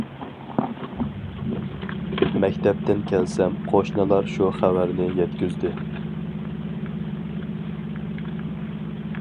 مەكتەپتىن كەلسەم قوشنىلار شۇ خەۋەرنى يەتكۈزدى.